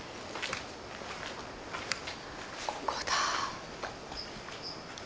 ここだ。